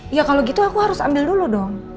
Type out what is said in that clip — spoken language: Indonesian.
ya kalau gitu aku harus ambil dulu dong